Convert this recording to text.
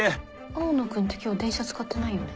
青野君って今日電車使ってないよね？